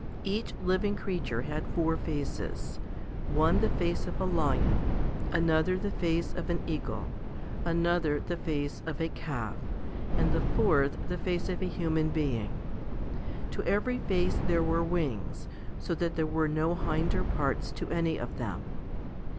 Each living creature had four faces, one the face of a lion, another the face of an eagle, another the face of a calf, and the fourth the face of a human being. To every face there were wings, so that there were no hinder parts to any of them.